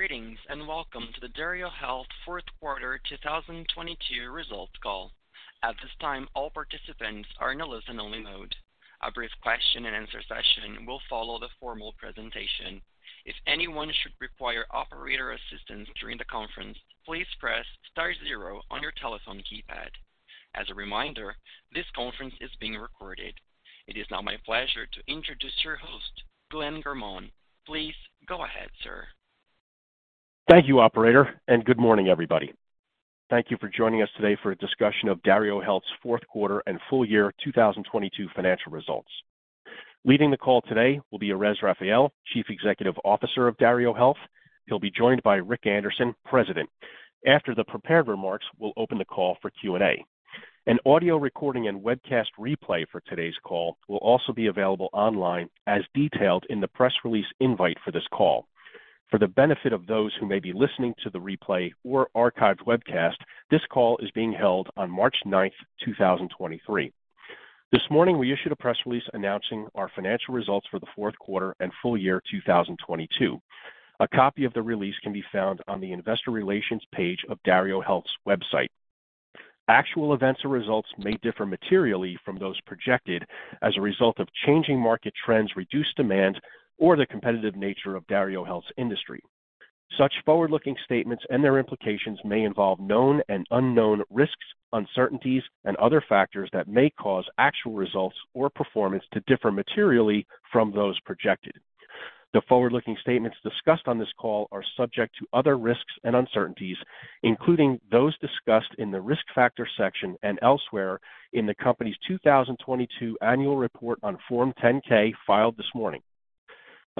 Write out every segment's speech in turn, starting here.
Greetings, and welcome to the DarioHealth Fourth Quarter 2022 Results Call. At this time, all participants are in a listen-only mode. A brief question-and-answer session will follow the formal presentation. If anyone should require operator assistance during the conference, please press star zero on your telephone keypad. As a reminder, this conference is being recorded. It is now my pleasure to introduce your host, Glenn Garmont. Please go ahead, sir. Thank you, operator. Good morning, everybody. Thank you for joining us today for a discussion of DarioHealth's Fourth Quarter and Full Year 2022 Financial Results. Leading the call today will be Erez Raphael, Chief Executive Officer of DarioHealth. He'll be joined by Rick Anderson, President. After the prepared remarks, we'll open the call for Q&A. An audio recording and webcast replay for today's call will also be available online as detailed in the press release invite for this call. For the benefit of those who may be listening to the replay or archived webcast, this call is being held on March 9th, 2023. This morning, we issued a press release announcing our financial results for the fourth quarter and full year 2022. A copy of the release can be found on the investor relations page of DarioHealth's website. Actual events or results may differ materially from those projected as a result of changing market trends, reduced demand, or the competitive nature of DarioHealth's industry. Such forward-looking statements and their implications may involve known and unknown risks, uncertainties and other factors that may cause actual results or performance to differ materially from those projected. The forward-looking statements discussed on this call are subject to other risks and uncertainties, including those discussed in the Risk Factors section and elsewhere in the company's 2022 Annual Report on Form 10-K filed this morning.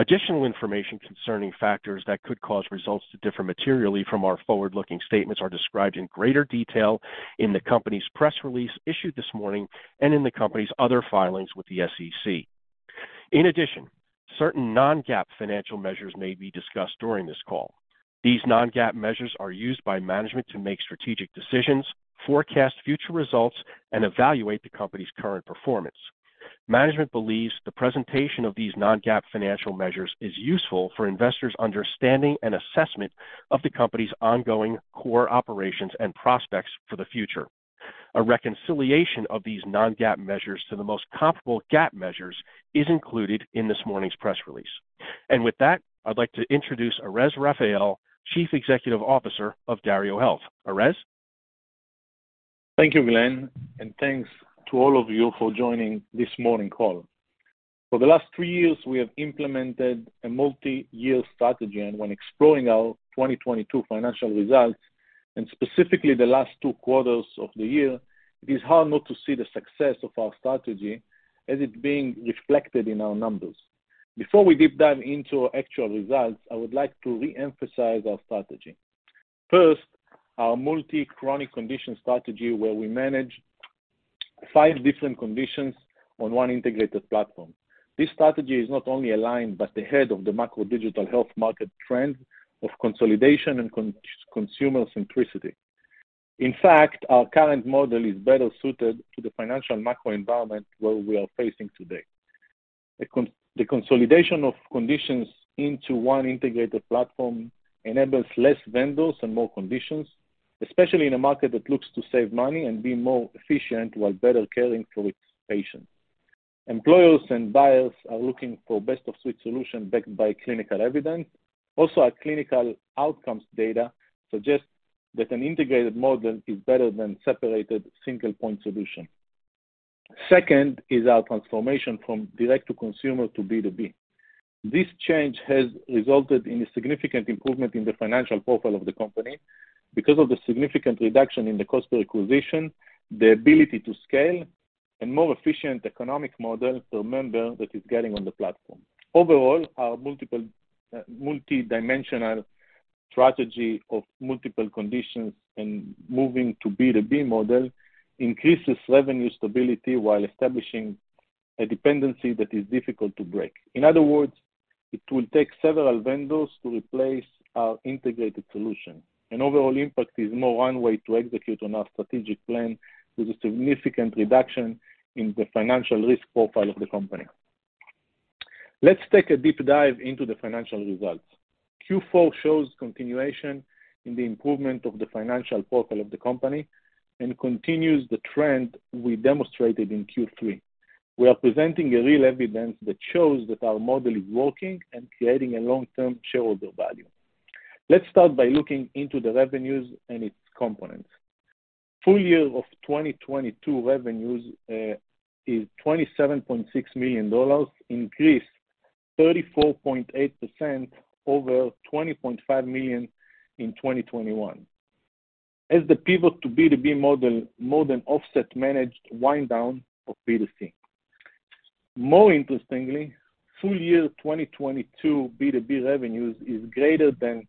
Additional information concerning factors that could cause results to differ materially from our forward-looking statements are described in greater detail in the company's press release issued this morning and in the company's other filings with the SEC. In addition, certain non-GAAP financial measures may be discussed during this call. These non-GAAP measures are used by management to make strategic decisions, forecast future results, and evaluate the company's current performance. Management believes the presentation of these non-GAAP financial measures is useful for investors' understanding and assessment of the company's ongoing core operations and prospects for the future. A reconciliation of these non-GAAP measures to the most comparable GAAP measures is included in this morning's press release. With that, I'd like to introduce Erez Raphael, Chief Executive Officer of DarioHealth. Erez? Thank you, Glenn, and thanks to all of you for joining this morning call. For the last three years, we have implemented a multi-year strategy and when exploring our 2022 financial results, and specifically the last two quarters of the year, it is hard not to see the success of our strategy as it being reflected in our numbers. Before we deep dive into our actual results, I would like to re-emphasize our strategy. First, our multi chronic condition strategy where we manage five different conditions on one integrated platform. This strategy is not only aligned, but ahead of the macro digital health market trend of consolidation and consumer centricity. In fact, our current model is better suited to the financial macro environment where we are facing today. The consolidation of conditions into one integrated platform enables less vendors and more conditions, especially in a market that looks to save money and be more efficient while better caring for its patients. Employers and buyers are looking for best of suite solution backed by clinical evidence. Also, our clinical outcomes data suggests that an integrated model is better than separated single point solution. Second is our transformation from direct to consumer to B2B. This change has resulted in a significant improvement in the financial profile of the company because of the significant reduction in the cost per acquisition, the ability to scale and more efficient economic model to remember that is getting on the platform. Overall, our multidimensional strategy of multiple conditions and moving to B2B model increases revenue stability while establishing a dependency that is difficult to break. In other words, it will take several vendors to replace our integrated solution. Overall impact is more runway to execute on our strategic plan with a significant reduction in the financial risk profile of the company. Let's take a deep dive into the financial results. Q4 shows continuation in the improvement of the financial profile of the company and continues the trend we demonstrated in Q3. We are presenting a real evidence that shows that our model is working and creating a long-term shareholder value. Let's start by looking into the revenues and its components. Full year of 2022 revenues is $27.6 million, increased 34.8% over $20.5 million in 2021. The pivot to B2B model more than offset managed wind down of B2C. More interestingly, full year 2022 B2B revenues is greater than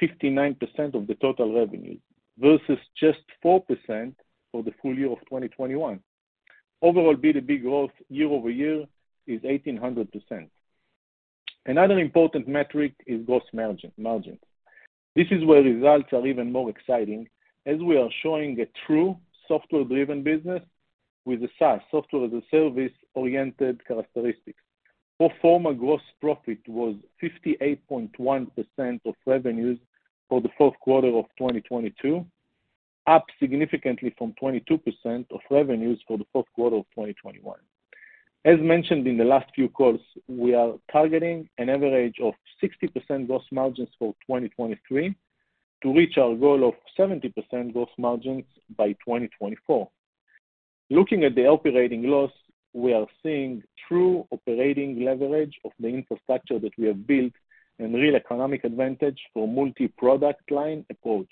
59% of the total revenues versus just 4% for the full year of 2021. Overall B2B growth year-over-year is 1,800%. Another important metric is gross margin. This is where results are even more exciting as we are showing a true software-driven business. With the SaaS software as a service-oriented characteristics. Pro forma gross profit was 58.1% of revenues for the fourth quarter of 2022, up significantly from 22% of revenues for the fourth quarter of 2021. As mentioned in the last few calls, we are targeting an average of 60% gross margins for 2023 to reach our goal of 70% gross margins by 2024. Looking at the operating loss, we are seeing true operating leverage of the infrastructure that we have built and real economic advantage for multi-product line approach.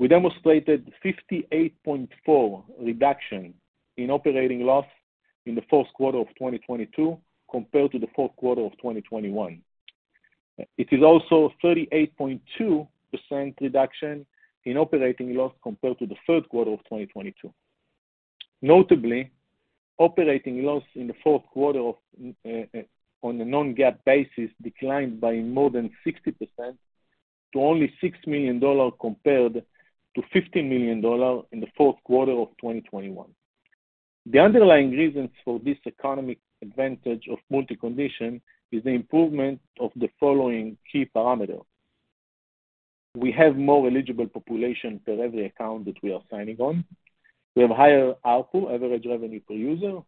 We demonstrated 58.4% reduction in operating loss in the fourth quarter of 2022 compared to the fourth quarter of 2021. It is also a 38.2% reduction in operating loss compared to the third quarter of 2022. Notably, operating loss in the fourth quarter of on a non-GAAP basis declined by more than 60% to only $6 million compared to $50 million in the fourth quarter of 2021. The underlying reasons for this economic advantage of multi-condition is the improvement of the following key parameters. We have more eligible population per every account that we are signing on. We have higher ARPU, Average Revenue Per User,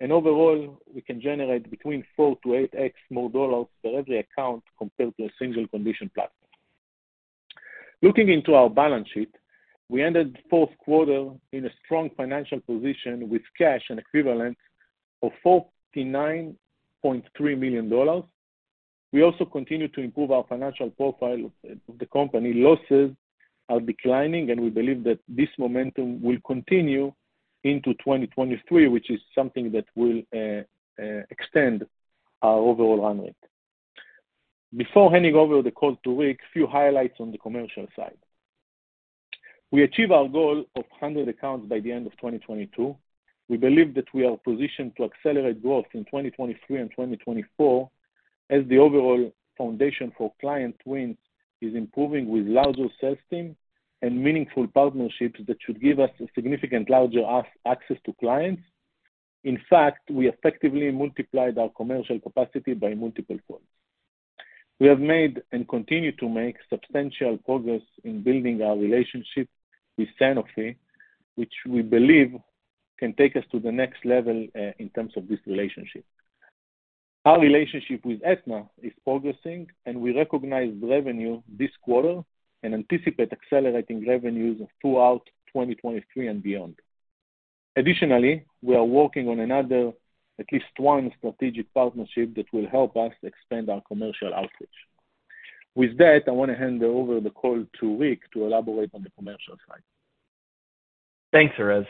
and overall, we can generate between 4-8x more dollars for every account compared to a single condition platform. Looking into our balance sheet, we ended the fourth quarter in a strong financial position with cash and equivalent of $49.3 million. We also continue to improve our financial profile. The company losses are declining, and we believe that this momentum will continue into 2023, which is something that will extend our overall run rate. Before handing over the call to Rick, few highlights on the commercial side. We achieved our goal of 100 accounts by the end of 2022. We believe that we are positioned to accelerate growth in 2023 and 2024 as the overall foundation for client wins is improving with larger sales team and meaningful partnerships that should give us a significant larger access to clients. We effectively multiplied our commercial capacity by multiple folds. We have made and continue to make substantial progress in building our relationship with Sanofi, which we believe can take us to the next level in terms of this relationship. Our relationship with Aetna is progressing, we recognize revenue this quarter and anticipate accelerating revenues throughout 2023 and beyond. We are working on another at least one strategic partnership that will help us expand our commercial outreach. With that, I want to hand over the call to Rick to elaborate on the commercial side. Thanks, Erez.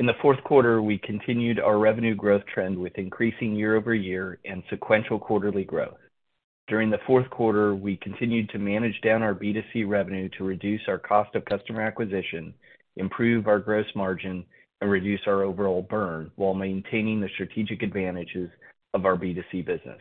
In the fourth quarter, we continued our revenue growth trend with increasing year-over-year and sequential quarterly growth. During the fourth quarter, we continued to manage down our B2C revenue to reduce our cost of customer acquisition, improve our gross margin, and reduce our overall burn while maintaining the strategic advantages of our B2C business.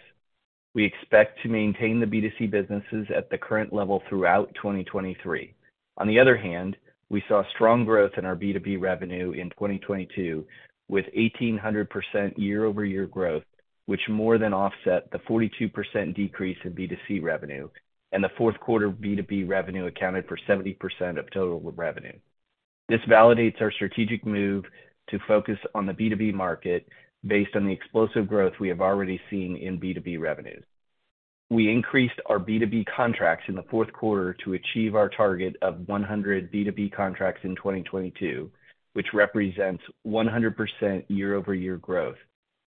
We expect to maintain the B2C businesses at the current level throughout 2023. On the other hand, we saw strong growth in our B2B revenue in 2022 with 1,800% year-over-year growth, which more than offset the 42% decrease in B2C revenue, and the fourth quarter B2B revenue accounted for 70% of total revenue. This validates our strategic move to focus on the B2B market based on the explosive growth we have already seen in B2B revenues. We increased our B2B contracts in the fourth quarter to achieve our target of 100 B2B contracts in 2022, which represents 100% year-over-year growth.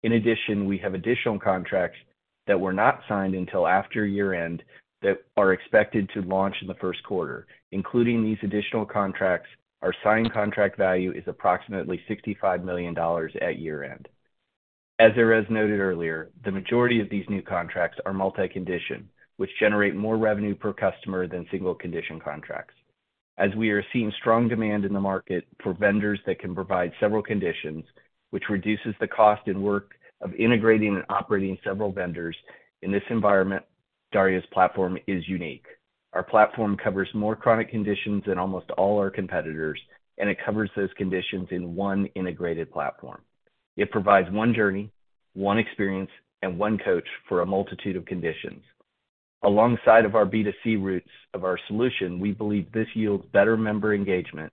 In addition, we have additional contracts that were not signed until after year-end that are expected to launch in the first quarter. Including these additional contracts, our signed contract value is approximately $65 million at year-end. As Erez noted earlier, the majority of these new contracts are multi-condition, which generate more revenue per customer than single condition contracts. As we are seeing strong demand in the market for vendors that can provide several conditions, which reduces the cost and work of integrating and operating several vendors in this environment, Dario's platform is unique. Our platform covers more chronic conditions than almost all our competitors, and it covers those conditions in one integrated platform. It provides one journey, one experience, and one coach for a multitude of conditions. Alongside of our B2C roots of our solution, we believe this yields better member engagement,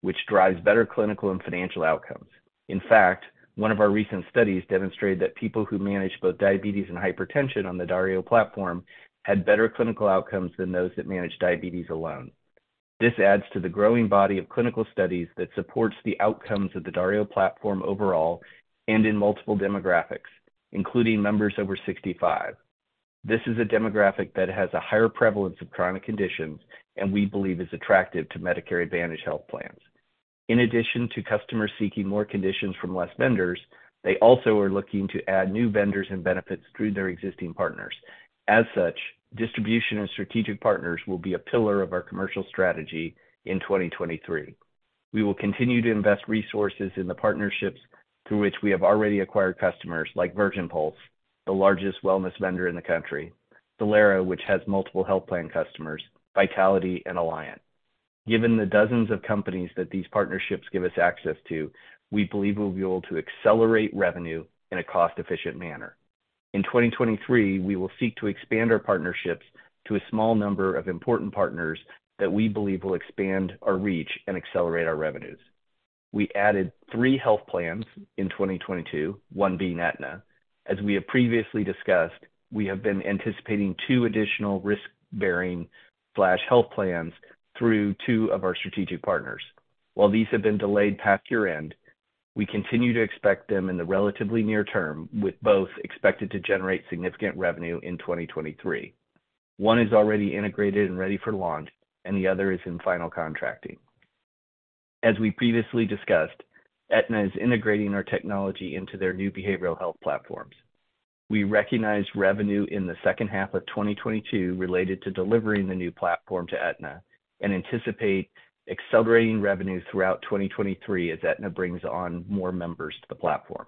which drives better clinical and financial outcomes. In fact, one of our recent studies demonstrated that people who manage both diabetes and hypertension on the Dario platform had better clinical outcomes than those that manage diabetes alone. This adds to the growing body of clinical studies that supports the outcomes of the Dario platform overall and in multiple demographics, including members over 65. This is a demographic that has a higher prevalence of chronic conditions and we believe is attractive to Medicare Advantage health plans. In addition to customers seeking more conditions from less vendors, they also are looking to add new vendors and benefits through their existing partners. As such, distribution and strategic partners will be a pillar of our commercial strategy in 2023. We will continue to invest resources in the partnerships through which we have already acquired customers like Virgin Pulse, the largest wellness vendor in the country, Alliant, which has multiple health plan customers, Vitality and Alliant. Given the dozens of companies that these partnerships give us access to, we believe we'll be able to accelerate revenue in a cost-efficient manner. In 2023, we will seek to expand our partnerships to a small number of important partners that we believe will expand our reach and accelerate our revenues. We added three health plans in 2022, one being Aetna. As we have previously discussed, we have been anticipating two additional risk-bearing plus health plans through two of our strategic partners. While these have been delayed past year-end, we continue to expect them in the relatively near term, with both expected to generate significant revenue in 2023. One is already integrated and ready for launch, and the other is in final contracting. As we previously discussed, Aetna is integrating our technology into their new behavioral health platforms. We recognize revenue in the second half of 2022 related to delivering the new platform to Aetna and anticipate accelerating revenue throughout 2023 as Aetna brings on more members to the platform.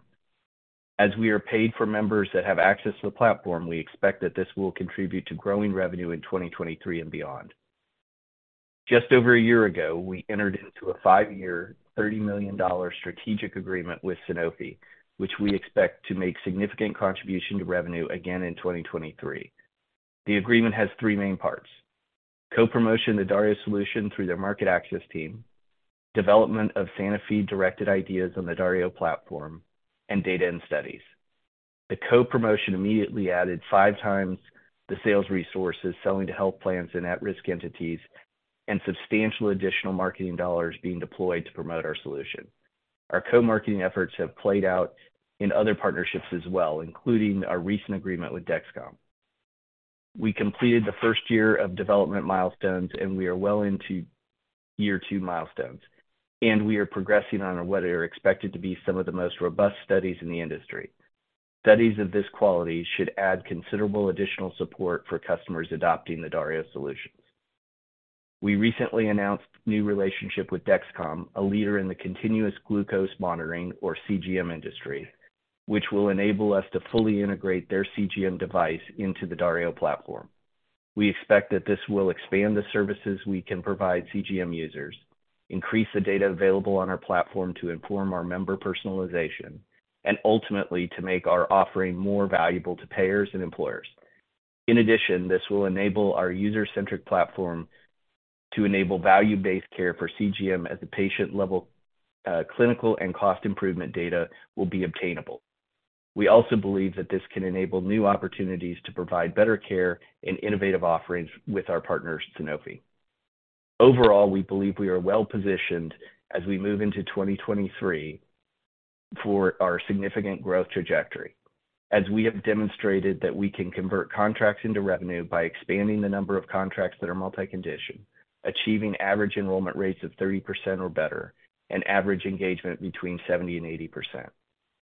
As we are paid for members that have access to the platform, we expect that this will contribute to growing revenue in 2023 and beyond. Just over a year ago, we entered into a five-year, $30 million strategic agreement with Sanofi, which we expect to make significant contribution to revenue again in 2023. The agreement has three main parts: co-promotion the Dario solution through their market access team, development of Sanofi directed ideas on the Dario platform, data and studies. The co-promotion immediately added five times the sales resources selling to health plans and at-risk entities and substantial additional marketing dollars being deployed to promote our solution. Our co-marketing efforts have played out in other partnerships as well, including our recent agreement with Dexcom. We completed the first year of development milestones, we are well into year two milestones, we are progressing on what are expected to be some of the most robust studies in the industry. Studies of this quality should add considerable additional support for customers adopting the Dario solutions. We recently announced new relationship with Dexcom, a leader in the continuous glucose monitoring or CGM industry, which will enable us to fully integrate their CGM device into the Dario platform. We expect that this will expand the services we can provide CGM users, increase the data available on our platform to inform our member personalization, and ultimately to make our offering more valuable to payers and employers. In addition, this will enable our user-centric platform to enable value-based care for CGM at the patient level, clinical and cost improvement data will be obtainable. We also believe that this can enable new opportunities to provide better care and innovative offerings with our partner, Sanofi. Overall, we believe we are well-positioned as we move into 2023 for our significant growth trajectory. We have demonstrated that we can convert contracts into revenue by expanding the number of contracts that are multi-condition, achieving average enrollment rates of 30% or better, and average engagement between 70% and 80%.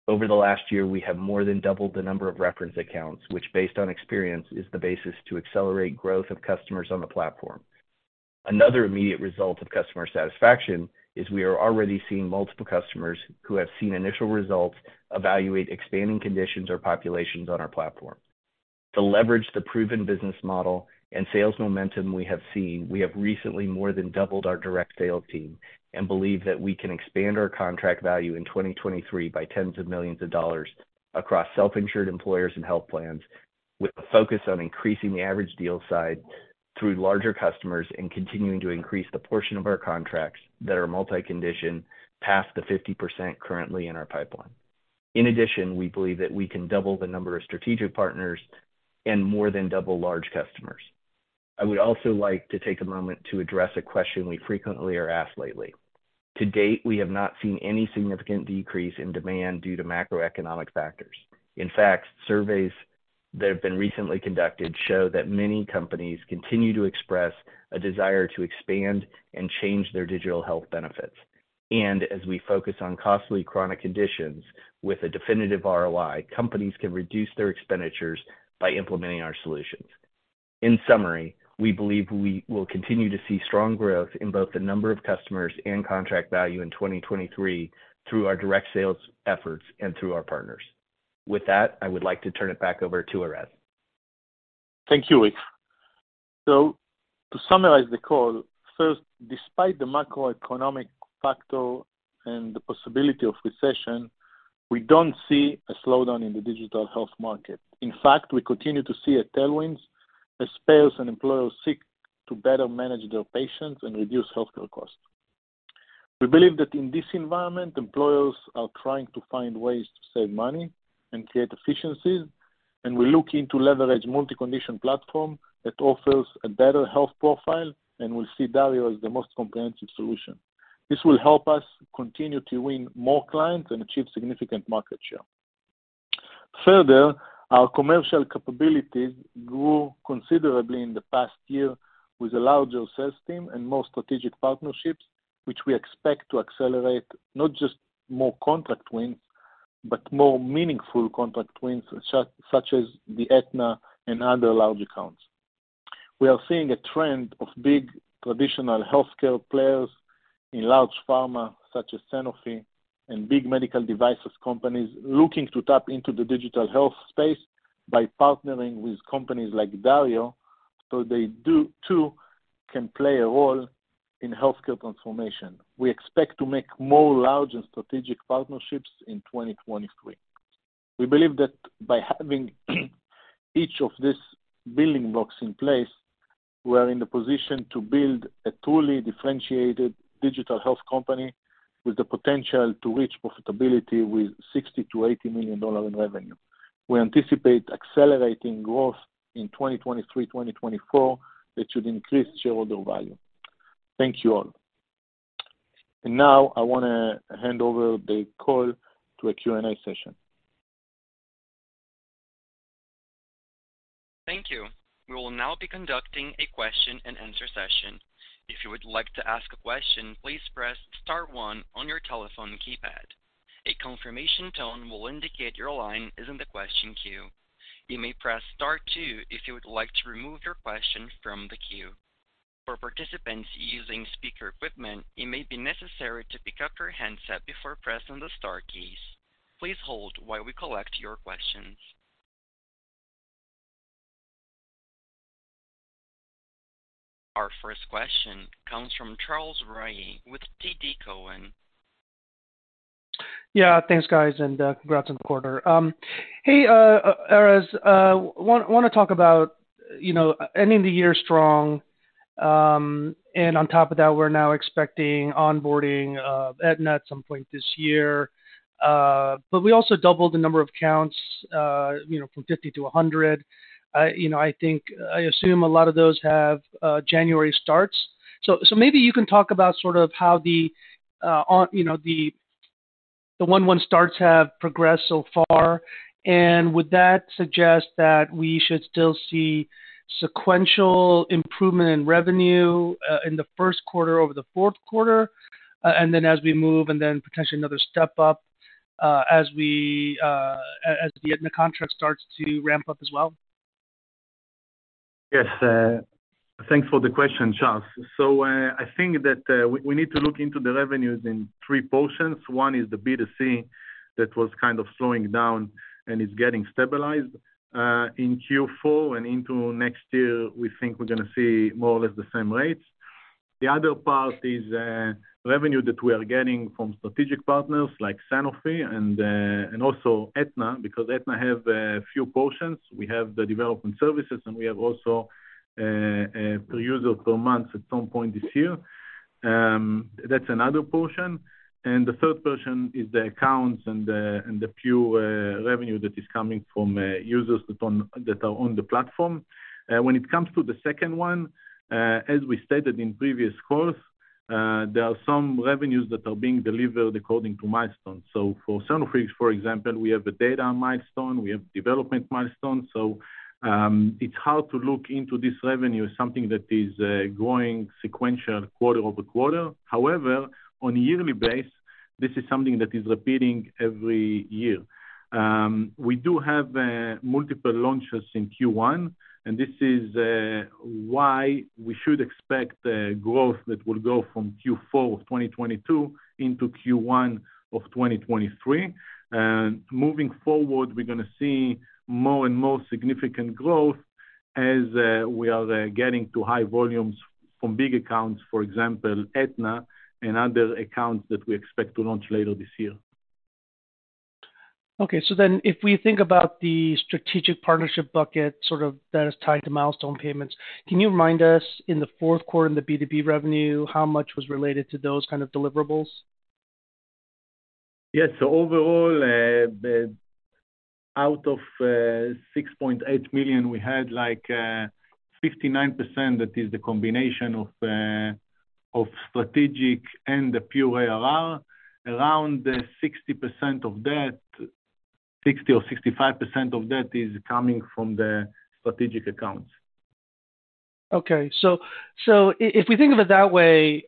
Over the last year, we have more than doubled the number of reference accounts, which based on experience, is the basis to accelerate growth of customers on the platform. Another immediate result of customer satisfaction is we are already seeing multiple customers who have seen initial results evaluate expanding conditions or populations on our platform. To leverage the proven business model and sales momentum we have seen, we have recently more than doubled our direct sales team and believe that we can expand our contract value in 2023 by tens of millions of dollars across self-insured employers and health plans with a focus on increasing the average deal size through larger customers and continuing to increase the portion of our contracts that are multi-condition past the 50% currently in our pipeline. We believe that we can double the number of strategic partners and more than double large customers. I would also like to take a moment to address a question we frequently are asked lately. To date, we have not seen any significant decrease in demand due to macroeconomic factors. In fact, surveys that have been recently conducted show that many companies continue to express a desire to expand and change their digital health benefits. As we focus on costly chronic conditions with a definitive ROI, companies can reduce their expenditures by implementing our solutions. In summary, we believe we will continue to see strong growth in both the number of customers and contract value in 2023 through our direct sales efforts and through our partners. With that, I would like to turn it back over to Erez. Thank you, Rick. To summarize the call, first, despite the macroeconomic factor and the possibility of recession, we don't see a slowdown in the digital health market. In fact, we continue to see a tailwind as payers and employers seek to better manage their patients and reduce healthcare costs. We believe that in this environment, employers are trying to find ways to save money and create efficiencies, and we look into leverage multi-condition platform that offers a better health profile, and we see Dario as the most comprehensive solution. This will help us continue to win more clients and achieve significant market share. Further, our commercial capabilities grew considerably in the past year with a larger sales team and more strategic partnerships, which we expect to accelerate not just more contract wins, but more meaningful contract wins, such as the Aetna and other large accounts. We are seeing a trend of big traditional healthcare players in large pharma such as Sanofi and big medical devices companies looking to tap into the digital health space by partnering with companies like Dario so they do too can play a role in healthcare transformation. We expect to make more large and strategic partnerships in 2023. We believe that by having each of these building blocks in place, we are in the position to build a truly differentiated digital health company with the potential to reach profitability with $60 million-$80 million in revenue. We anticipate accelerating growth in 2023, 2024, that should increase shareholder value. Thank you all. Now I wanna hand over the call to a Q&A session. Thank you. We will now be conducting a question and answer session. If you would like to ask a question, please press star one on your telephone keypad. A confirmation tone will indicate your line is in the question queue. You may press star two if you would like to remove your question from the queue. For participants using speaker equipment, it may be necessary to pick up your handset before pressing the star keys. Please hold while we collect your questions. Our first question comes from Charles Rhyee with TD Cowen. Yeah. Thanks, guys, and congrats on the quarter. Hey, Erez, wanna talk about, you know, ending the year strong, and on top of that, we're now expecting onboarding of Aetna at some point this year. We also doubled the number of accounts, you know, from 50-100. You know, I think, I assume a lot of those have January starts. Maybe you can talk about sort of how the, you know, the 1/1 starts have progressed so far. Would that suggest that we should still see sequential improvement in revenue in the first quarter over the fourth quarter, as we move, potentially another step up as the Aetna contract starts to ramp up as well? Yes. Thanks for the question, Charles. I think that we need to look into the revenues in 3 portions. 1 is the B2C that was kind of slowing down and is getting stabilized. In Q4 and into next year, we think we're gonna see more or less the same rates. The other part is revenue that we are getting from strategic partners like Sanofi and also Aetna, because Aetna have a few portions. We have the development services, and we have also per user per month at some point this year. That's another portion. The 3rd portion is the accounts and the pure revenue that is coming from users that are on the platform. When it comes to the second one, as we stated in previous calls, there are some revenues that are being delivered according to milestones. For Sanofi, for example, we have a data milestone. We have development milestones. It's hard to look into this revenue as something that is growing sequential quarter-over-quarter. However, on a yearly basis, this is something that is repeating every year. We do have multiple launches in Q1, and this is why we should expect a growth that will go from Q4 of 2022 into Q1 of 2023. Moving forward, we're gonna see more and more significant growth as we are getting to high volumes from big accounts, for example, Aetna and other accounts that we expect to launch later this year. Okay. If we think about the strategic partnership bucket sort of that is tied to milestone payments, can you remind us in the fourth quarter in the B2B revenue, how much was related to those kind of deliverables? Yes. overall, out of, $6.8 million, we had like, 59% that is the combination of strategic and the pure ARR. Around 60% of that, 60% or 65% of that is coming from the strategic accounts. Okay. if we think of it that way,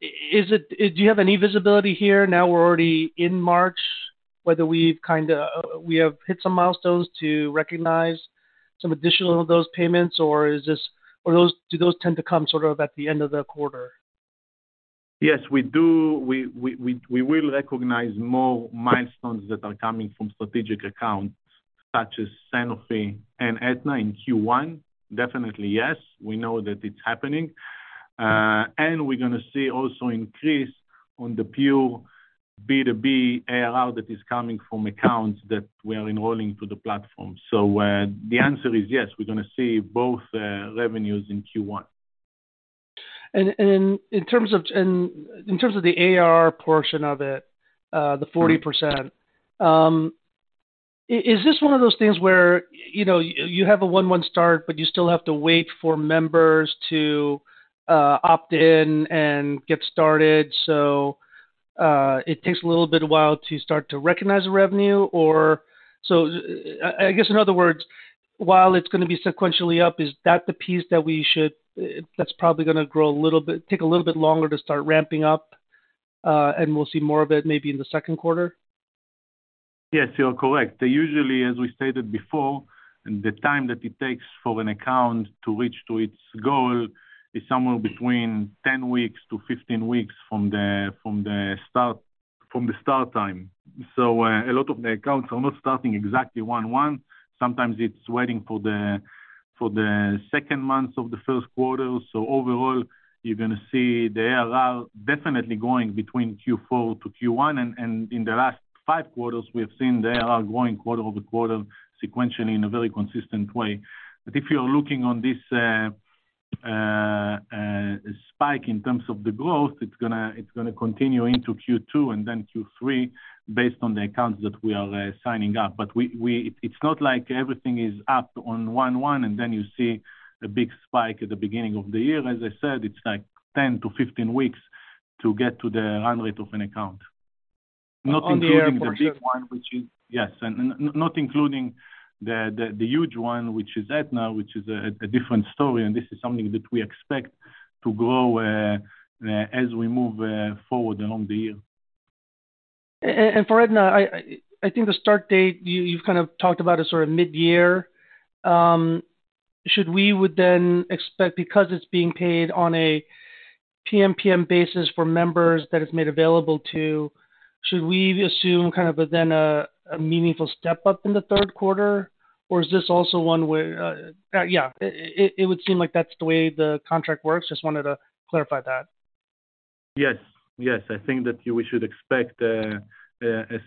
is it, do you have any visibility here? Now we're already in March, whether we've kinda, we have hit some milestones to recognize some additional of those payments, or those, do those tend to come sort of at the end of the quarter? Yes, we do. We will recognize more milestones that are coming from strategic accounts such as Sanofi and Aetna in Q1. Definitely, yes. We know that it's happening. We're gonna see also increase on the pure B2B ARR that is coming from accounts that we are enrolling to the platform. The answer is yes. We're gonna see both revenues in Q1. In terms of the ARR portion of it, the 40%, is this one of those things where, you know, you have a one-one start, but you still have to wait for members to opt in and get started, so it takes a little bit a while to start to recognize the revenue? I guess in other words, while it's gonna be sequentially up, is that the piece that we should, that's probably gonna grow a little bit, take a little bit longer to start ramping up, and we'll see more of it maybe in the second quarter? Yes, you are correct. They usually, as we stated before, the time that it takes for an account to reach to its goal is somewhere between 10 weeks to 15 weeks from the start time. A lot of the accounts are not starting exactly 1/1. Sometimes it's waiting for the second month of the first quarter. Overall, you're gonna see the ARR definitely going between Q4 to Q1. In the last five quarters, we have seen the ARR growing quarter-over-quarter sequentially in a very consistent way. If you're looking on this spike in terms of the growth, it's gonna continue into Q2 and then Q3 based on the accounts that we are signing up. It's not like everything is up on one-one, and then you see a big spike at the beginning of the year. As I said, it's like 10-15 weeks to get to the run rate of an account. Not including the big one, which is. On the air portion. Yes. Not including the huge one, which is Aetna, which is a different story. This is something that we expect to grow as we move forward along the year. For Aetna, I think the start date, you've kind of talked about is sort of mid-year. Should we would then expect, because it's being paid on a PMPM basis for members that it's made available to, should we assume kind of a then a meaningful step-up in the third quarter? Is this also one where, Yeah, it would seem like that's the way the contract works. Just wanted to clarify that. Yes. Yes. I think that we should expect a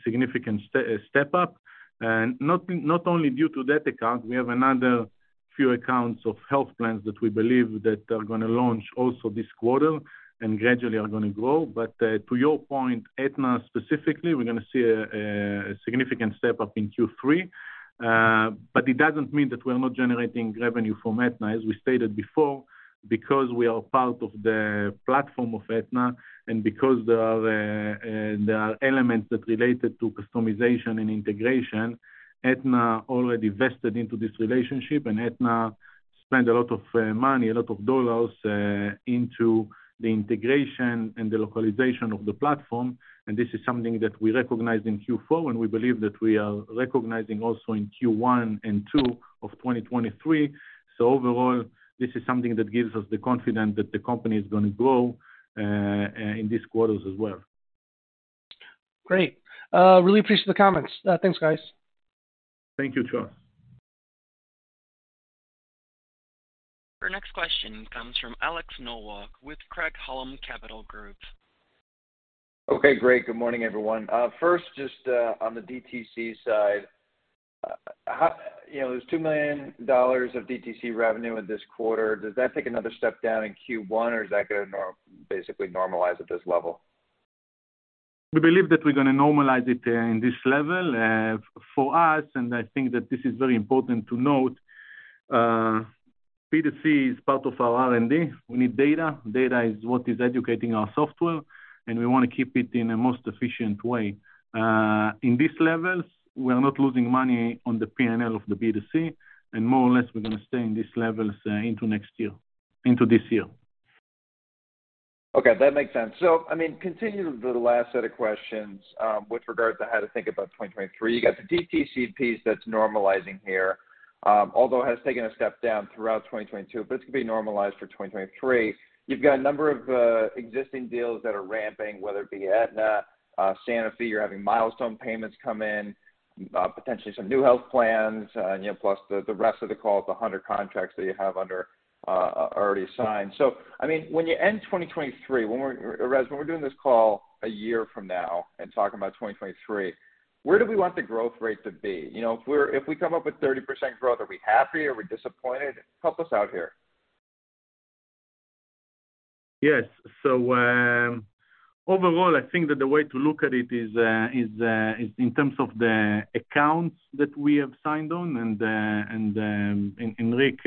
significant step-up. Not only due to that account, we have another few accounts of health plans that we believe that are gonna launch also this quarter and gradually are gonna grow. To your point, Aetna specifically, we're gonna see a significant step-up in Q3. It doesn't mean that we're not generating revenue from Aetna. As we stated before, because we are part of the platform of Aetna and because there are elements that related to customization and integration, Aetna already vested into this relationship, and Aetna spent a lot of money, a lot of dollars into the integration and the localization of the platform. This is something that we recognized in Q4, and we believe that we are recognizing also in Q1 and Q2 of 2023. Overall, this is something that gives us the confidence that the company is gonna grow in these quarters as well. Great. Really appreciate the comments. Thanks, guys. Thank you, Charles. Our next question comes from Alex Nowak with Craig-Hallum Capital Group. Okay, great. Good morning, everyone. First, just on the DTC side, You know, there's $2 million of DTC revenue in this quarter. Does that take another step down in Q1, or is that gonna basically normalize at this level? We believe that we're gonna normalize it, in this level. For us, and I think that this is very important to note, B2C is part of our R&D. We need data. Data is what is educating our software, and we wanna keep it in a most efficient way. In these levels, we're not losing money on the P&L of the B2C, and more or less, we're gonna stay in these levels, into next year, into this year. Okay, that makes sense. I mean, continuing with the last set of questions, with regards to how to think about 2023, you got the DTC piece that's normalizing here, although it has taken a step down throughout 2022, but it's gonna be normalized for 2023. You've got a number of existing deals that are ramping, whether it be Aetna, Sanofi, you're having milestone payments come in, potentially some new health plans, you know, plus the rest of the call, the 100 contracts that you have already signed. I mean, when you end 2023, when we're, Erez, when we're doing this call a year from now and talking about 2023, where do we want the growth rate to be? You know, if we come up with 30% growth, are we happy? Are we disappointed? Help us out here. Yes. Overall, I think that the way to look at it is in terms of the accounts that we have signed on. In Rick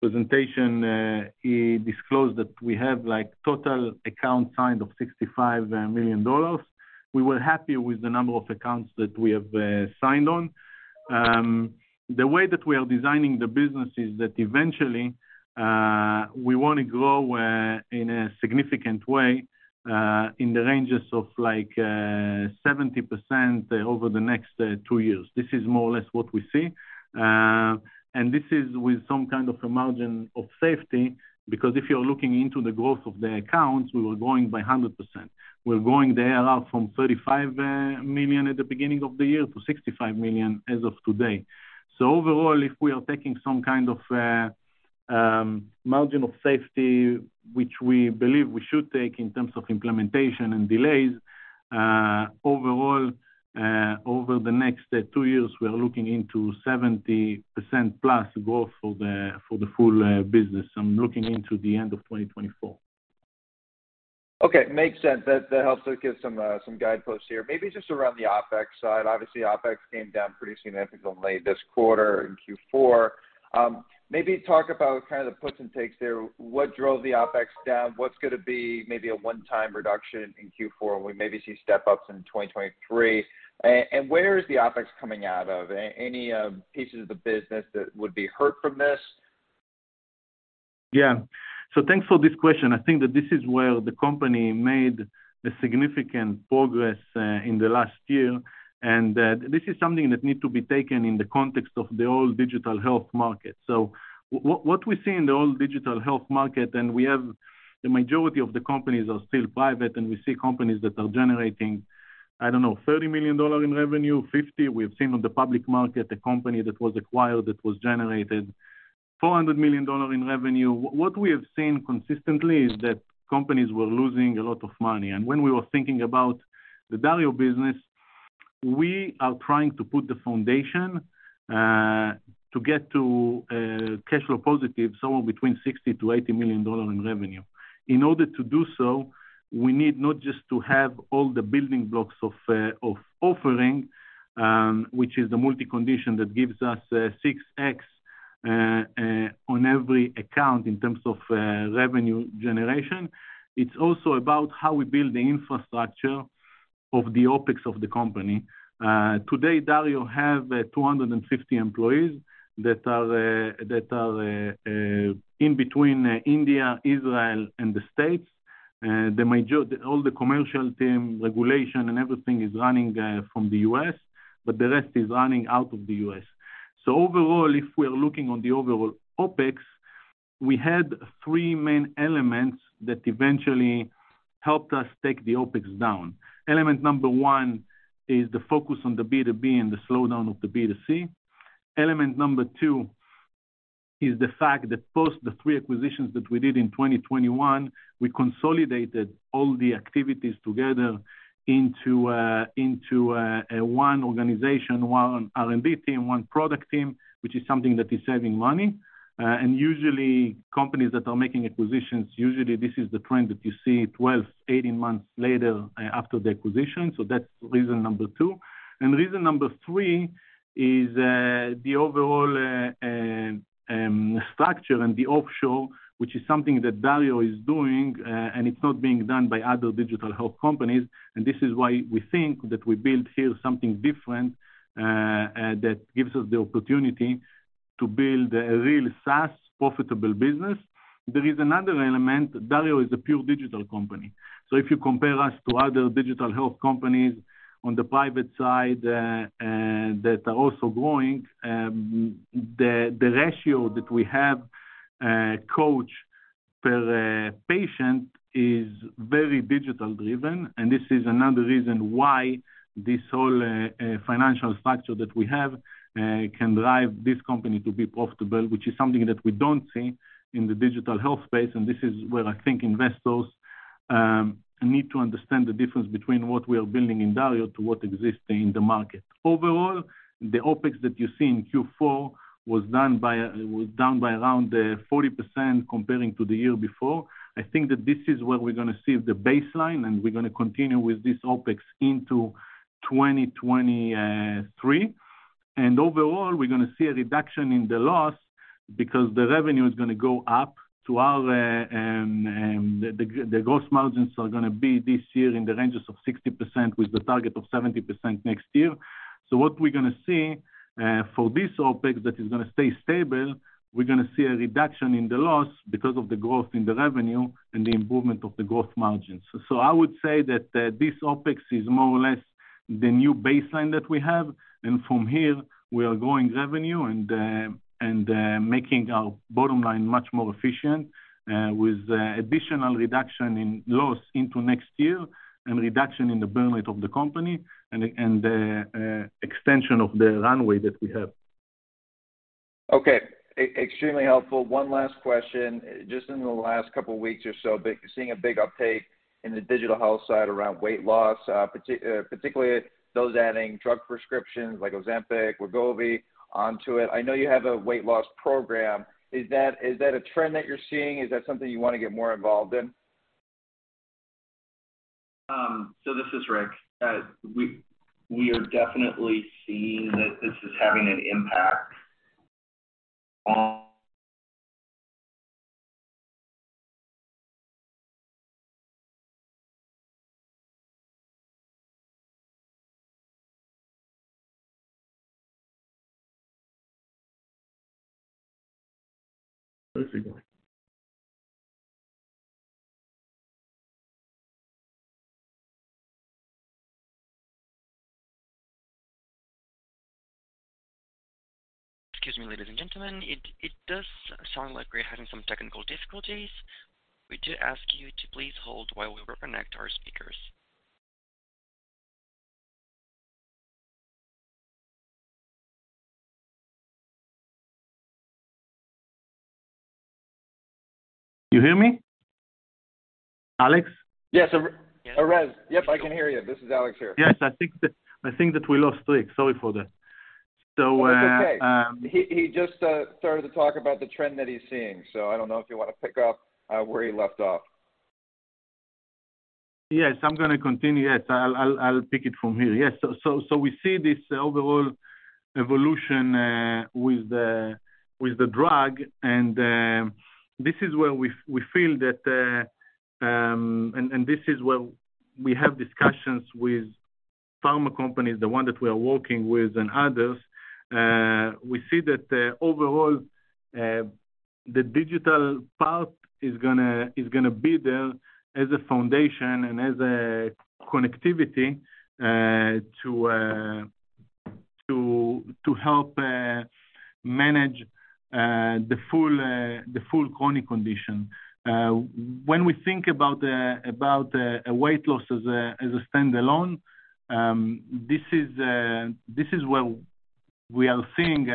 presentation, he disclosed that we have, like, total accounts signed of $65 million. We were happy with the number of accounts that we have signed on. The way that we are designing the business is that eventually, we wanna grow in a significant way, in the ranges of, like, 70% over the next two years. This is more or less what we see. This is with some kind of a margin of safety because if you're looking into the growth of the accounts, we were growing by 100%. We're growing the ARR from $35 million at the beginning of the year to $65 million as of today. Overall, if we are taking some kind of margin of safety, which we believe we should take in terms of implementation and delays, overall, over the next two years, we are looking into 70% plus growth for the full business, and looking into the end of 2024. Okay, makes sense. That helps to give some guideposts here. Maybe just around the OpEx side. Obviously, OpEx came down pretty significantly this quarter in Q4. Maybe talk about kind of the puts and takes there. What drove the OpEx down? What's gonna be maybe a one-time reduction in Q4? We maybe see step-ups in 2023. Where is the OpEx coming out of? Any pieces of the business that would be hurt from this? Yeah. Thanks for this question. I think that this is where the company made a significant progress in the last year, and that this is something that need to be taken in the context of the digital health market. What we see in the digital health market, and we have the majority of the companies are still private, and we see companies that are generating, I don't know, $30 million in revenue, $50 million. We've seen on the public market a company that was acquired that was generated $400 million in revenue. What we have seen consistently is that companies were losing a lot of money. When we were thinking about the Dario business, we are trying to put the foundation to get to cash flow positive, somewhere between $60 million-$80 million in revenue. In order to do so, we need not just to have all the building blocks of offering, which is the multi-condition that gives us 6x on every account in terms of revenue generation. It's also about how we build the infrastructure of the OpEx of the company. Today, Dario have 250 employees that are in between India, Israel, and the States. All the commercial team, regulation, and everything is running from the US, but the rest is running out of the US. Overall, if we're looking on the overall OpEx, we had three main elements that eventually helped us take the OpEx down. Element number one is the focus on the B2B and the slowdown of the B2C. Element number two is the fact that post the three acquisitions that we did in 2021, we consolidated all the activities together into one organization, one R&D team, one product team, which is something that is saving money. Usually companies that are making acquisitions, usually this is the trend that you see 12, 18 months later after the acquisition, so that's reason number two. Reason number three is the overall structure and the offshore, which is something that Dario is doing, and it's not being done by other digital health companies. This is why we think that we build here something different that gives us the opportunity to build a real SaaS profitable business. There is another element. Dario is a pure digital company. If you compare us to other digital health companies on the private side, that are also growing, the ratio that we have, coach per patient is very digital-driven, and this is another reason why this whole financial structure that we have, can drive this company to be profitable, which is something that we don't see in the digital health space. This is where I think investors need to understand the difference between what we are building in Dario to what exists in the market. Overall, the OpEx that you see in Q4 was done by, was down by around 40% comparing to the year before. I think that this is where we're gonna see the baseline, and we're gonna continue with this OpEx into 2023. Overall, we're gonna see a reduction in the loss because the revenue is gonna go up to our. The gross margins are gonna be this year in the ranges of 60% with the target of 70% next year. What we're gonna see for this OpEx that is gonna stay stable, we're gonna see a reduction in the loss because of the growth in the revenue and the improvement of the growth margins. I would say that this OpEx is more or less the new baseline that we have, and from here we are growing revenue and making our bottom line much more efficient with additional reduction in loss into next year and reduction in the burn rate of the company and extension of the runway that we have. Okay. Extremely helpful. One last question. Just in the last couple weeks or so, seeing a big uptake in the digital health side around weight loss, particularly those adding drug prescriptions like Ozempic, Wegovy onto it. I know you have a weight loss program. Is that a trend that you're seeing? Is that something you wanna get more involved in? This is Rick. We are definitely seeing that this is having an impact. Excuse me, ladies and gentlemen. It does sound like we're having some technical difficulties. We do ask you to please hold while we reconnect our speakers. You hear me? Alex? Yes, Erez. Yep, I can hear you. This is Alex here. Yes, I think that we lost Rick. Sorry for that. Oh, that's okay. He just started to talk about the trend that he's seeing. I don't know if you wanna pick up where he left off? Yes, I'm gonna continue. Yes, I'll pick it from here. Yes. We see this overall evolution with the drug, and this is where we feel that. This is where we have discussions with Pharma companies, the one that we are working with and others. We see that the overall digital part is gonna be there as a foundation and as a connectivity to help manage the full chronic condition. When we think about weight loss as a standalone, this is where we are seeing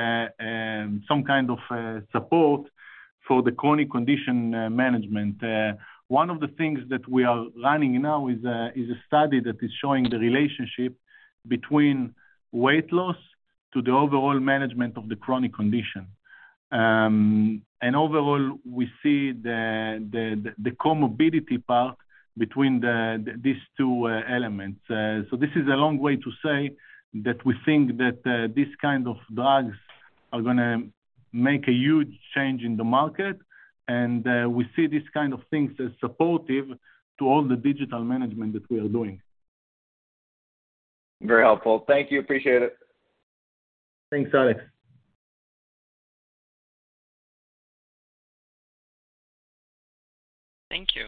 some kind of support for the chronic condition management. One of the things that we are running now is a study that is showing the relationship between weight loss to the overall management of the chronic condition. Overall, we see the comorbidity part between these two elements. This is a long way to say that we think that these kind of drugs are gonna make a huge change in the market, and we see these kind of things as supportive to all the digital management that we are doing. Very helpful. Thank you. Appreciate it. Thanks, Alex. Thank you.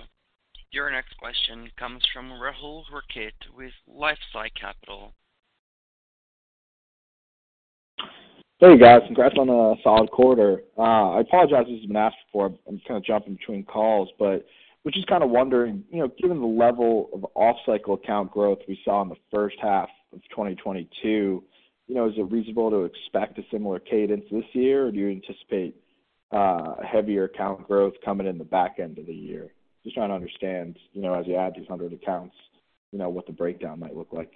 Your next question comes from Rahul Rakhit with LifeSci Capital. Hey, guys. Congrats on a solid quarter. I apologize if this has been asked before. I'm kinda jumping between calls, but was just kinda wondering, you know, given the level of off-cycle account growth we saw in the first half of 2022, you know, is it reasonable to expect a similar cadence this year, or do you anticipate, heavier account growth coming in the back end of the year? Just trying to understand, you know, as you add these 100 accounts, you know, what the breakdown might look like.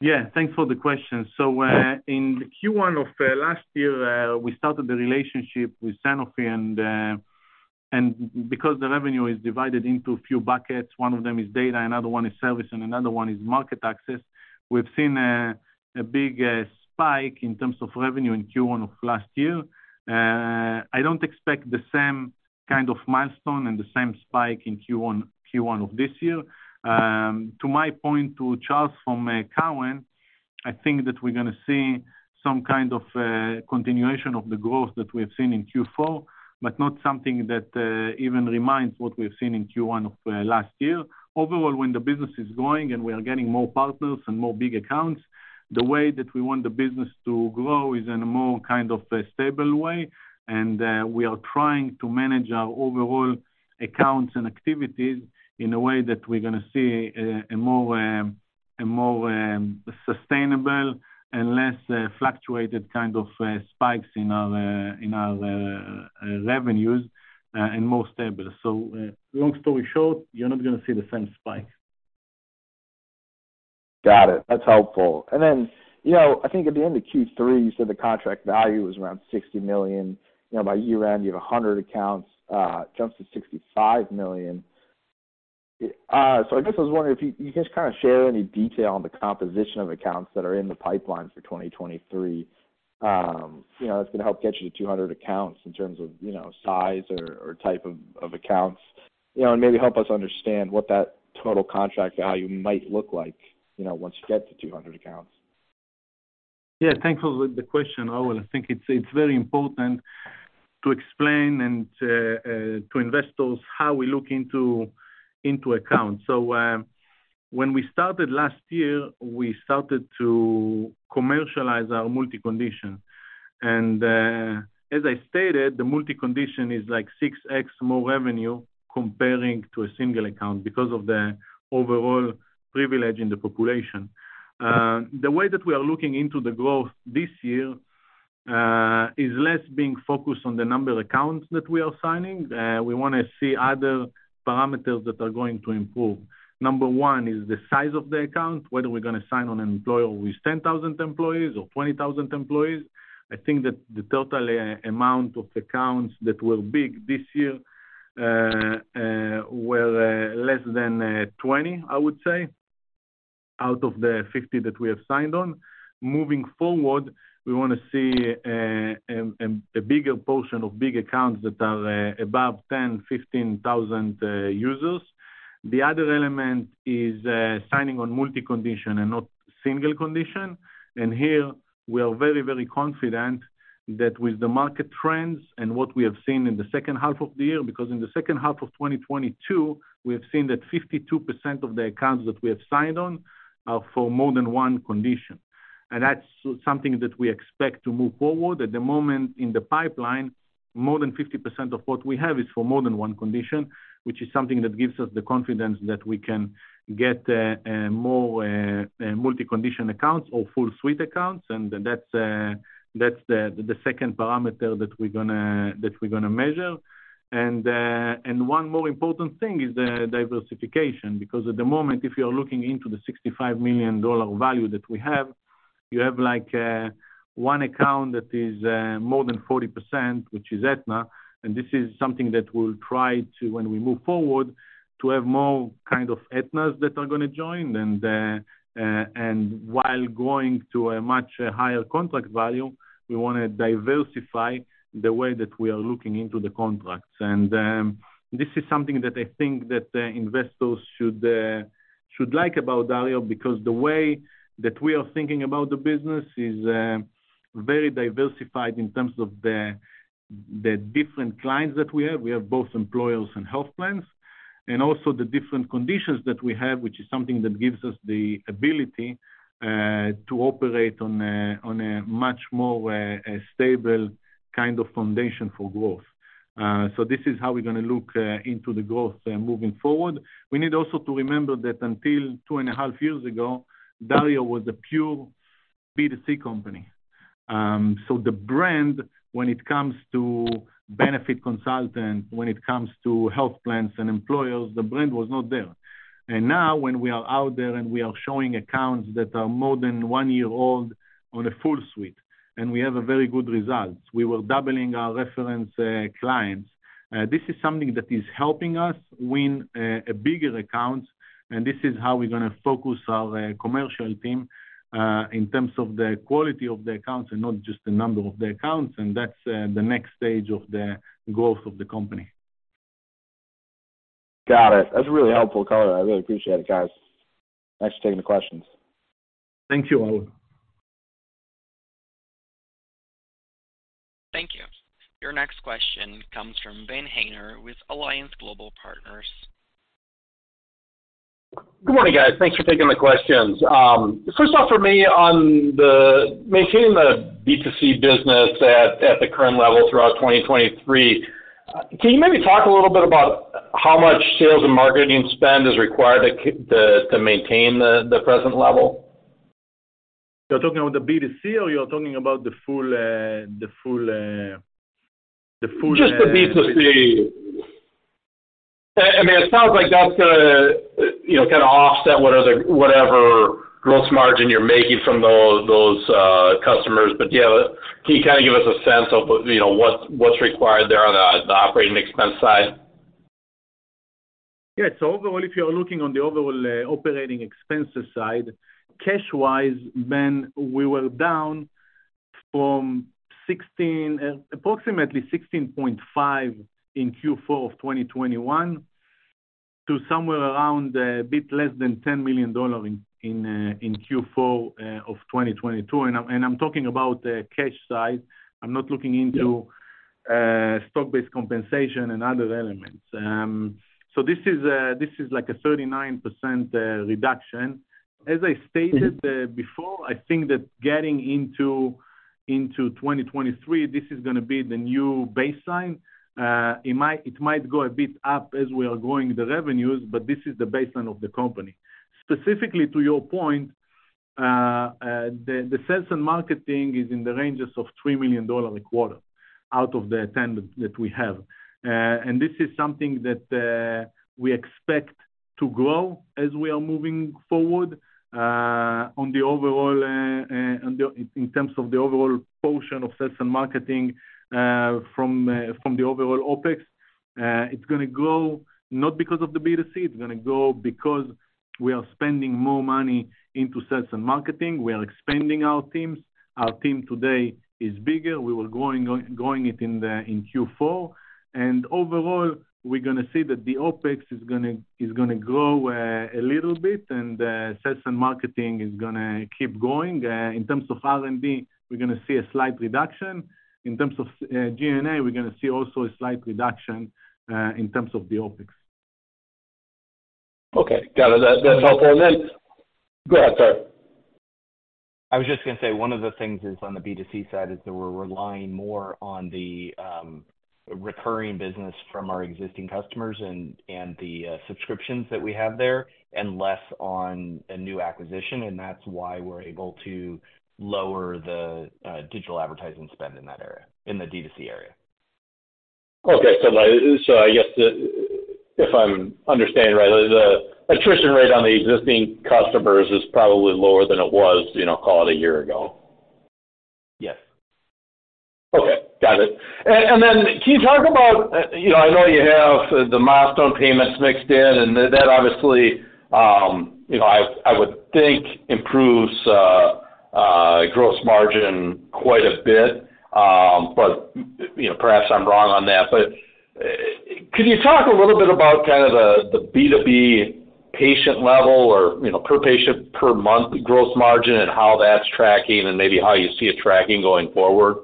Yeah. Thanks for the question. In Q1 of last year, we started the relationship with Sanofi, and because the revenue is divided into a few buckets, one of them is data, another one is service, and another one is market access. We've seen a big spike in terms of revenue in Q1 of last year. I don't expect the same kind of milestone and the same spike in Q1 of this year. To my point to Charles from Cowen, I think that we're gonna see some kind of continuation of the growth that we have seen in Q4, but not something that even reminds what we have seen in Q1 of last year. Overall, when the business is growing, and we are getting more partners and more big accounts, the way that we want the business to grow is in a more kind of a stable way. We are trying to manage our overall accounts and activities in a way that we're gonna see a more sustainable and less fluctuated kind of spikes in our revenues and more stable. Long story short, you're not gonna see the same spike. Got it. That's helpful. You know, I think at the end of Q3, you said the contract value was around $60 million. You know, by year-end, you have 100 accounts, jumps to $65 million. I guess I was wondering if you can just kinda share any detail on the composition of accounts that are in the pipeline for 2023. You know, that's gonna help get you to 200 accounts in terms of, you know, size or type of accounts. You know, maybe help us understand what that total contract value might look like, you know, once you get to 200 accounts. Yeah. Thanks for the question, Rahul. I think it's very important to explain and to investors how we look into accounts. When we started last year, we started to commercialize our multi-condition. As I stated, the multi-condition is like 6x more revenue comparing to a single account because of the overall privilege in the population. The way that we are looking into the growth this year is less being focused on the number of accounts that we are signing. We wanna see other parameters that are going to improve. Number one is the size of the account, whether we're gonna sign on an employer with 10,000 employees or 20,000 employees. I think that the total amount of accounts that were big this year were less than 20, I would say, out of the 50 that we have signed on. Moving forward, we wanna see a bigger portion of big accounts that are above 10, 15,000 users. The other element is signing on multi-condition and not single condition. Here, we are very, very confident that with the market trends and what we have seen in the second half of the year, because in the second half of 2022, we have seen that 52% of the accounts that we have signed on are for more than one condition. That's something that we expect to move forward. At the moment in the pipeline, more than 50% of what we have is for more than 1 condition, which is something that gives us the confidence that we can get more multi-condition accounts or full suite accounts, and that's the second parameter that we're gonna, that we're gonna measure. One more important thing is the diversification, because at the moment, if you are looking into the $65 million value that we have. You have like 1 account that is more than 40%, which is Aetna. This is something that we'll try to, when we move forward, to have more kind of Aetna's that are gonna join. While going to a much higher contract value, we wanna diversify the way that we are looking into the contracts. This is something that I think that investors should should like about Dario because the way that we are thinking about the business is very diversified in terms of the different clients that we have. We have both employers and health plans. The different conditions that we have, which is something that gives us the ability to operate on a much more stable kind of foundation for growth. This is how we're gonna look into the growth moving forward. We need also to remember that until 2.5 years ago, Dario was a pure B2C company. The brand, when it comes to benefit consultant, when it comes to health plans and employers, the brand was not there. Now when we are out there and we are showing accounts that are more than 1 year old on a full suite, and we have very good results. We were doubling our reference clients. This is something that is helping us win bigger accounts, and this is how we're gonna focus our commercial team in terms of the quality of the accounts and not just the number of the accounts, and that's the next stage of the growth of the company. Got it. That's really helpful color. I really appreciate it, guys. Thanks for taking the questions. Thank you, Rahul. Thank you. Your next question comes from Benjamin Haynor with Alliance Global Partners. Good morning, guys. Thanks for taking the questions. first off for me on the maintaining the B2C business at the current level throughout 2023, can you maybe talk a little bit about how much sales and marketing spend is required to maintain the present level? You're talking about the B2C or you're talking about the full? Just the B2C. I mean, it sounds like that's gonna, you know, kinda offset whatever gross margin you're making from those customers. You know, can you kinda give us a sense of, you know, what's required there on the operating expense side? Yeah. Overall, if you're looking on the overall operating expenses side, cash-wise, Ben, we were down from 16, approximately 16.5 in Q4 of 2021 to somewhere around a bit less than $10 million in Q4 of 2022. I'm talking about the cash side. I'm not looking into- Yeah - stock-based compensation and other elements. This is like a 39% reduction. As I stated before, I think that getting into 2023, this is gonna be the new baseline. It might go a bit up as we are growing the revenues, this is the baseline of the company. Specifically to your point, the sales and marketing is in the ranges of $3 million a quarter out of the $10 million that we have. This is something that we expect to grow as we are moving forward in terms of the overall portion of sales and marketing from the overall OpEx. It's gonna grow not because of the B2C. It's gonna grow because we are spending more money into sales and marketing. We are expanding our teams. Our team today is bigger. We were growing it in Q4. Overall, we're gonna see that the OpEx is gonna grow a little bit and sales and marketing is gonna keep growing. In terms of R&D, we're gonna see a slight reduction. In terms of G&A, we're gonna see also a slight reduction in terms of the OpEx. Okay. Got it. That's helpful. Go ahead, sorry. I was just gonna say one of the things is on the B2C side is that we're relying more on the recurring business from our existing customers and the subscriptions that we have there and less on a new acquisition. That's why we're able to lower the digital advertising spend in that area, in the D2C area. Okay. If I'm understanding right, the attrition rate on the existing customers is probably lower than it was, you know, call it a year ago. Yes. Okay. Got it. Then can you talk about, you know, I know you have the milestone payments mixed in, and that obviously, you know, I would think improves gross margin quite a bit. You know, perhaps I'm wrong on that. Could you talk a little bit about kind of the B2B patient level or, you know, per patient per month gross margin and how that's tracking and maybe how you see it tracking going forward?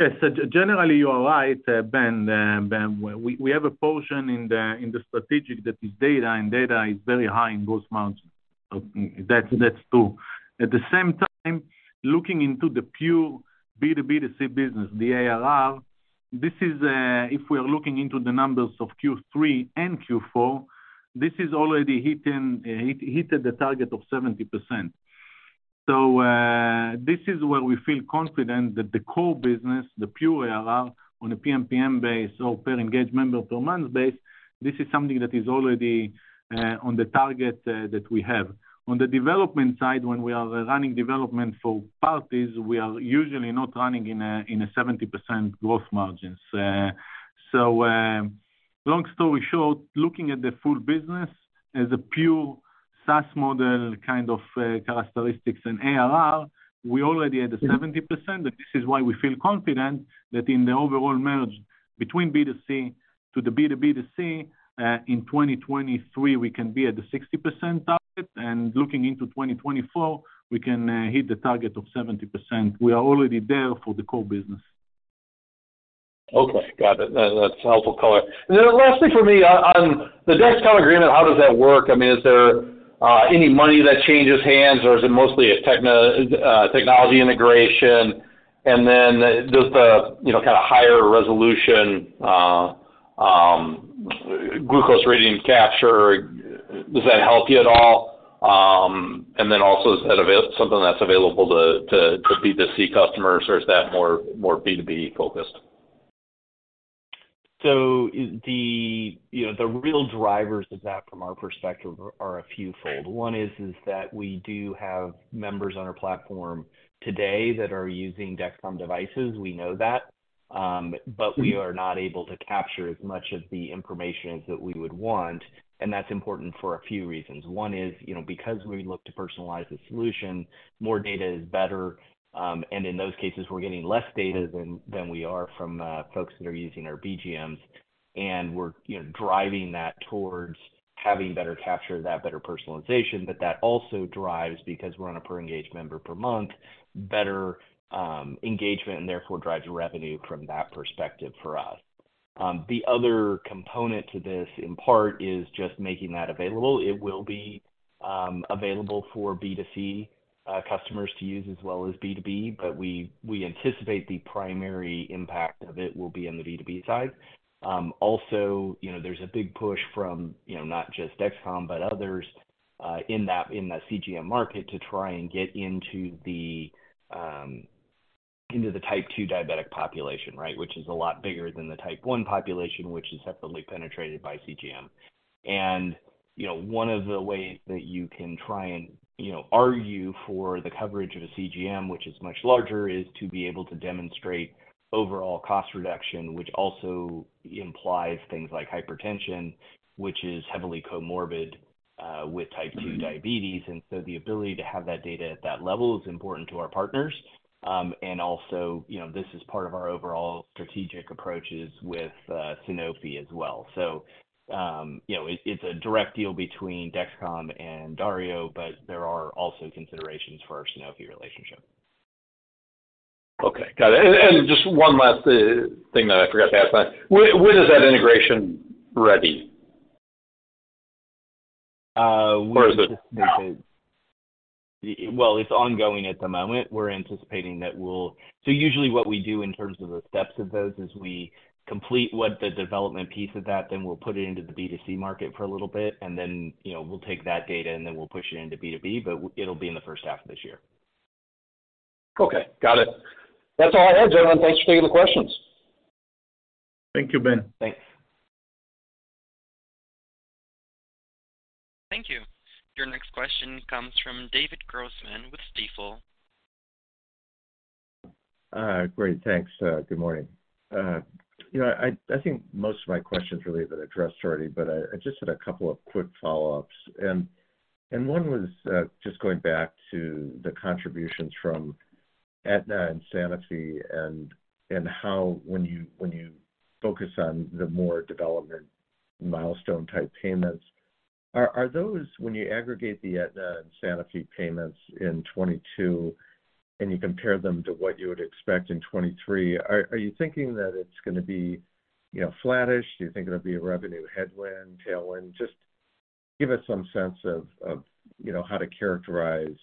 Yes. Generally, you are right, Ben. We have a portion in the strategic that is data, and data is very high in gross margin. That's true. At the same time, looking into the pure B2B2C business, the ARR, this is, if we are looking into the numbers of Q3 and Q4, this is already hitting the target of 70%. This is where we feel confident that the core business, the pure ARR on a PMPM base or per engaged member per month base, this is something that is already on the target that we have. On the development side, when we are running development for parties, we are usually not running in a 70% growth margins. Long story short, looking at the full business as a pure SaaS model kind of characteristics in ARR, we already had a 70%. This is why we feel confident that in the overall merge between B2C to the B2B2C, in 2023, we can be at the 60% target. Looking into 2024, we can hit the target of 70%. We are already there for the core business. Okay. Got it. That's a helpful color. Lastly for me, on the Dexcom agreement, how does that work? I mean, is there any money that changes hands, or is it mostly a technology integration? Does the, you know, kind of higher resolution glucose radiant capture, does that help you at all? Also, is that something that's available to B2C customers, or is that more B2B focused? The, you know, the real drivers of that from our perspective are a fewfold. One is that we do have members on our platform today that are using Dexcom devices. We know that. We are not able to capture as much of the information as that we would want, and that's important for a few reasons. One is, you know, because we look to personalize the solution, more data is better. In those cases, we're getting less data than we are from folks that are using our BGMs. We're, you know, driving that towards having better capture, that better personalization. That also drives because we're on a per engaged member per month, better engagement and therefore drives revenue from that perspective for us. The other component to this in part is just making that available. It will be available for B2C customers to use as well as B2B, but we anticipate the primary impact of it will be in the B2B side. Also, you know, there's a big push from, you know, not just Dexcom, but others in that CGM market to try and get into the Type 2 diabetic population, right? Which is a lot bigger than the Type 1 population, which is heavily penetrated by CGM. You know, one of the ways that you can try and, you know, argue for the coverage of a CGM, which is much larger, is to be able to demonstrate overall cost reduction, which also implies things like hypertension, which is heavily comorbid with Type 2 diabetes. The ability to have that data at that level is important to our partners. You know, this is part of our overall strategic approaches with Sanofi as well. You know, it's a direct deal between Dexcom and Dario, but there are also considerations for our Sanofi relationship. Okay. Got it. Just one last thing that I forgot to ask then. When is that integration ready? Uh, we- Is it now? Well, it's ongoing at the moment. We're anticipating that usually what we do in terms of the steps of those is we complete what the development piece of that, then we'll put it into the B2C market for a little bit, and then, you know, we'll take that data and then we'll push it into B2B, it'll be in the first half of this year. Okay. Got it. That's all I have, gentlemen. Thanks for taking the questions. Thank you, Ben. Thanks. Thank you. Your next question comes from David Grossman with Stifel. Great. Thanks. Good morning. You know, I think most of my questions really have been addressed already, but I just had a couple of quick follow-ups. One was just going back to the contributions from Aetna and Sanofi and how when you focus on the more development milestone type payments, are those when you aggregate the Aetna and Sanofi payments in 22 and you compare them to what you would expect in 23, are you thinking that it's gonna be, you know, flattish? Do you think it'll be a revenue headwind, tailwind? Just give us some sense of, you know, how to characterize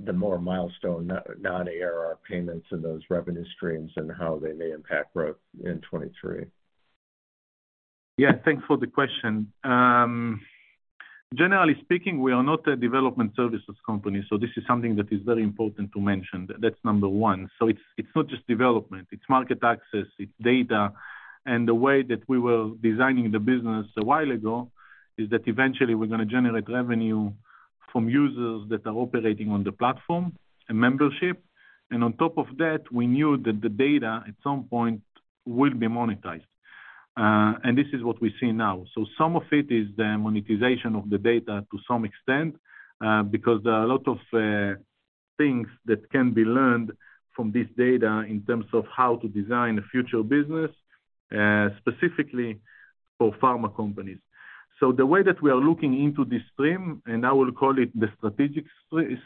the more milestone non-ARR payments in those revenue streams and how they may impact growth in 23. Yeah. Thanks for the question. Generally speaking, we are not a development services company, so this is something that is very important to mention. That's number one. It's, it's not just development, it's market access, it's data. The way that we were designing the business a while ago is that eventually we're gonna generate revenue from users that are operating on the platform and membership. On top of that, we knew that the data at some point will be monetized. This is what we see now. Some of it is the monetization of the data to some extent, because there are a lot of things that can be learned from this data in terms of how to design a future business, specifically for pharma companies. The way that we are looking into this stream, and I will call it the strategic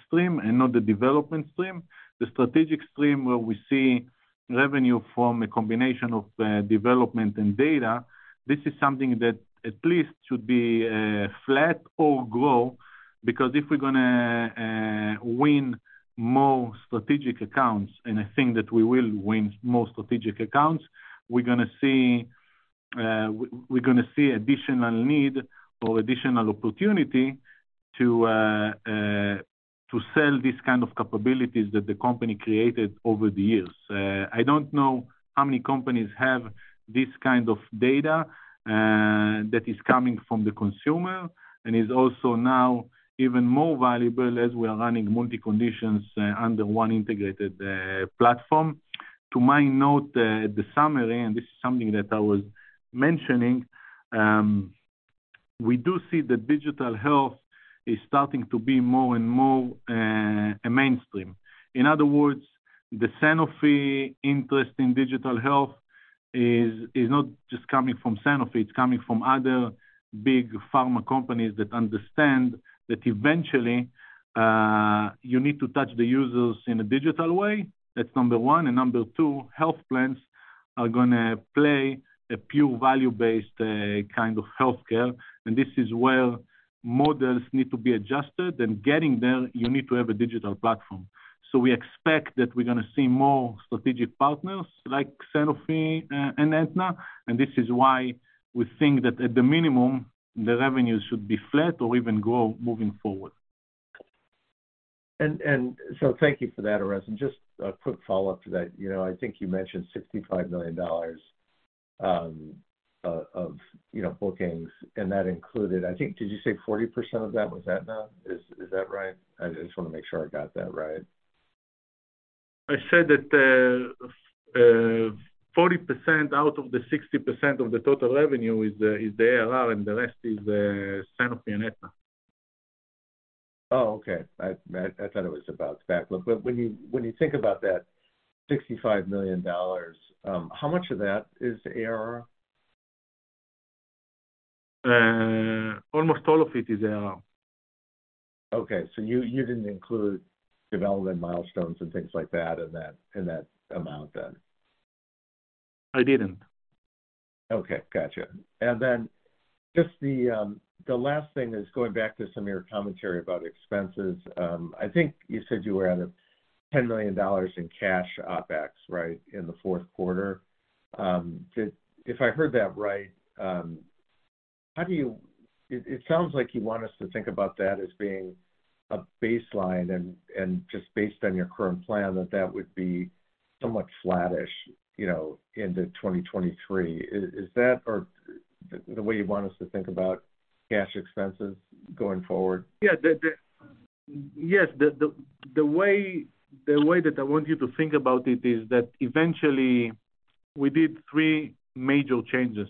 stream, and not the development stream. The strategic stream where we see revenue from a combination of development and data, this is something that at least should be flat or grow. If we're gonna win more strategic accounts, and I think that we will win more strategic accounts, we're gonna see additional need or additional opportunity to sell this kind of capabilities that the company created over the years. I don't know how many companies have this kind of data that is coming from the consumer and is also now even more valuable as we are running multi conditions under one integrated platform. To my note, the summary, this is something that I was mentioning, we do see that digital health is starting to be more and more, a mainstream. In other words, the Sanofi interest in digital health is not just coming from Sanofi, it's coming from other big pharma companies that understand that eventually, you need to touch the users in a digital way. That's number one. Number two, health plans are gonna play a pure value-based, kind of healthcare, and this is where models need to be adjusted. Getting there, you need to have a digital platform. We expect that we're gonna see more strategic partners like Sanofi and Aetna. This is why we think that at the minimum, the revenues should be flat or even grow moving forward. Thank you for that, Erez. Just a quick follow-up to that, you know, I think you mentioned $65 million, of, you know, bookings, and that included, I think... Did you say 40% of that was Aetna? Is that right? I just wanna make sure I got that right. I said that, 40% out of the 60% of the total revenue is the ARR, and the rest is Sanofi and Aetna. Oh, okay. I thought it was about that. When you think about that $65 million, how much of that is ARR? Almost all of it is ARR. You didn't include development milestones and things like that in that, in that amount then? I didn't. Okay, gotcha. Just the last thing is going back to some of your commentary about expenses. I think you said you were at a $10 million in cash OpEx, right, in the fourth quarter. If I heard that right, it sounds like you want us to think about that as being a baseline and just based on your current plan, that that would be somewhat flattish, you know, into 2023. Is that or the way you want us to think about cash expenses going forward? Yes. The way that I want you to think about it is that eventually we did three major changes.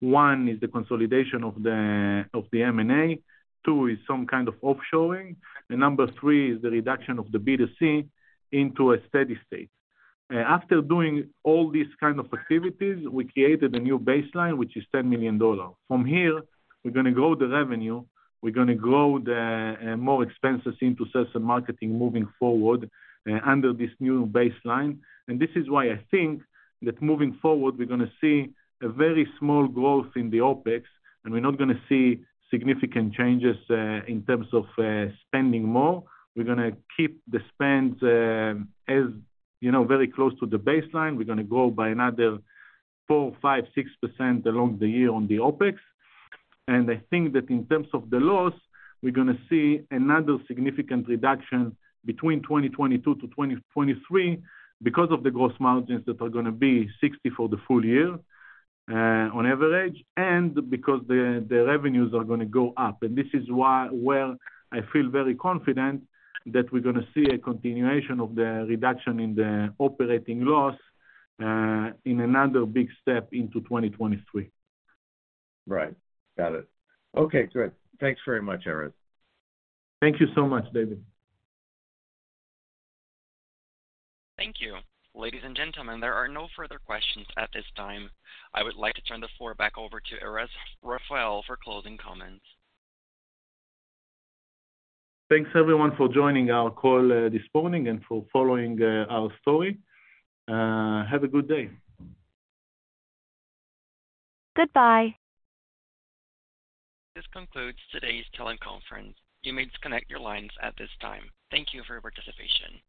One is the consolidation of the M&A. Two is some kind of offshoring. Number three is the reduction of the B2C into a steady state. After doing all these kind of activities, we created a new baseline, which is $10 million. From here, we're gonna grow the revenue, we're gonna grow the more expenses into sales and marketing moving forward under this new baseline. This is why I think that moving forward, we're gonna see a very small growth in the OpEx, and we're not gonna see significant changes in terms of spending more. We're gonna keep the spends, as, you know, very close to the baseline. We're gonna grow by another 4%, 5%, 6% along the year on the OpEx. I think that in terms of the loss, we're gonna see another significant reduction between 2022 to 2023 because of the gross margins that are gonna be 60% for the full year, on average, and because the revenues are gonna go up. This is why, well, I feel very confident that we're gonna see a continuation of the reduction in the operating loss, in another big step into 2023. Right. Got it. Okay, good. Thanks very much, Erez. Thank you so much, David. Thank you. Ladies and gentlemen, there are no further questions at this time. I would like to turn the floor back over to Erez Raphael for closing comments. Thanks everyone for joining our call, this morning and for following, our story. Have a good day. Goodbye. This concludes today's teleconference. You may disconnect your lines at this time. Thank you for your participation.